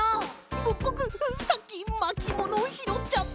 ぼぼくさっきまきものをひろっちゃった！